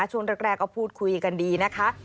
ช่วงแรกก็พูดคุยกันดีนะคะ